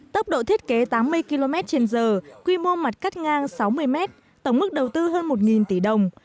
tốc độ thiết kế tám mươi km trên giờ quy mô mặt cắt ngang sáu mươi m tổng mức đầu tư hơn một tỷ đồng